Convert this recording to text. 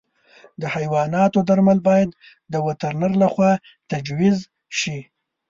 د حیواناتو درمل باید د وترنر له خوا تجویز شي.